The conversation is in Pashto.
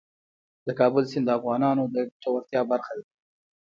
د کابل سیند د افغانانو د ګټورتیا برخه ده.